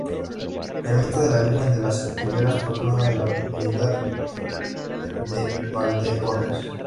Ermita de la Virgen de las Riberas, patrona de la Merindad de Valdeporres.